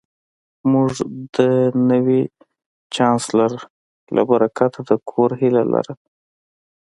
موږ د نوي چانسلر له برکته د کور هیله لرو